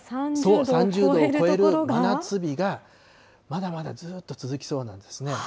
そう、３０度を超える真夏日が、まだまだずっと続きそうなんですね。